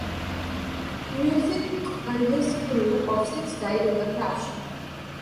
Musick and his crew of six died in the crash.